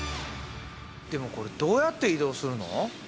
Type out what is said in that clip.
でもこれどうやって移動するの？